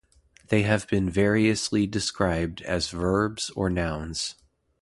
They have been variously described as verbs or nouns.